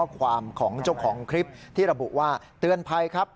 ความของเจ้าของคลิปที่ระบุว่าเตือนภัยครับ